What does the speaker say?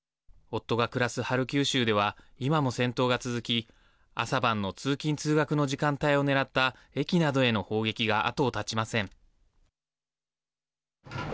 夫が暮らすハルキウ州では今も戦闘が続き朝晩の通勤、通学の時間帯を狙った駅などへの砲撃が後を絶ちません。